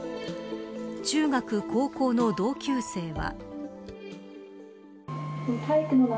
中学、高校の同級生は。